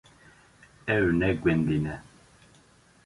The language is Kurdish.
Ew ne gundî ne.